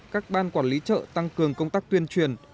các ban quản lý chợ tăng cường công tác tuyên truyền